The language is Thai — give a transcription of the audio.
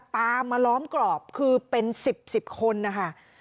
ตามมาล้อมกรอบคือเป็น๑๐๑๐คนนะคะ